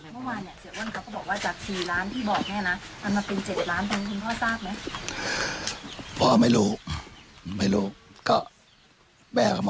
เมื่อวานเสียอ้วนครับก็บอกว่าจาก๔ล้านที่บอกแน่นะ